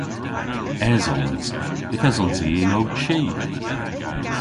Esons. Yth esons i yn ow chi.